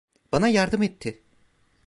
Bana yardım etti.